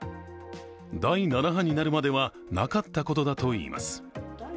第７波になるまではなかったことだといいます。